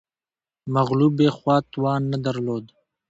مغلوبې خوا توان نه درلود